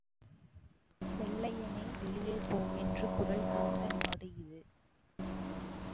வெள்ளையனே வெளியே போ என்ற குரல் கொடுத்த நாடு இது.